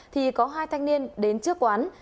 thì có hai thanh niên đến trước quán